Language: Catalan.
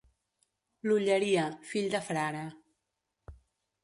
L'Olleria, fill de frare.